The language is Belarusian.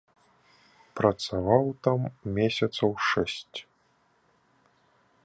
Працаваў там месяцаў шэсць.